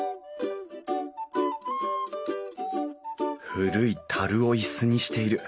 古い樽を椅子にしている。